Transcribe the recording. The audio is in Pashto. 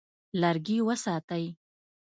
لرګي وساتئ.